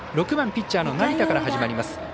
６番ピッチャーの成田から始まります。